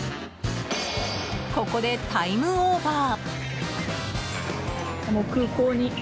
ここでタイムオーバー。